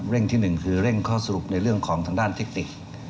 ที่๑คือเร่งข้อสรุปในเรื่องของทางด้านเทคนิค